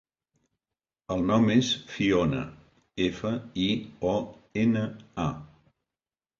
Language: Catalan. El nom és Fiona: efa, i, o, ena, a.